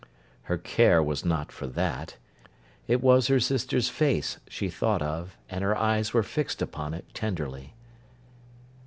Her care was not for that. It was her sister's face she thought of, and her eyes were fixed upon it, tenderly.